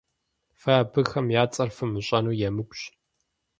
Фэ абыхэм я цӀэр фымыщӀэну емыкӀущ.